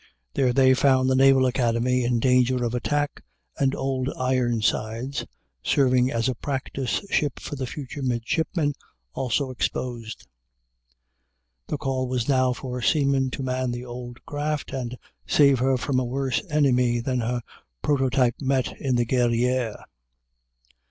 There they found the Naval Academy in danger of attack, and "Old Ironsides" serving as a practice ship for the future midshipmen also exposed. The call was now for seamen to man the old craft and save her from a worse enemy than her prototype met in the "Guerrière."